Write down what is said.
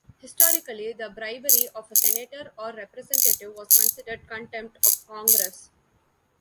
Historically, the bribery of a senator or representative was considered contempt of Congress.